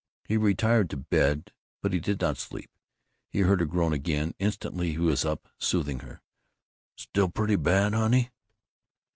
He retired to bed, but he did not sleep. He heard her groan again. Instantly he was up, soothing her, "Still pretty bad, honey?"